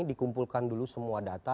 dikumpulkan dulu semua data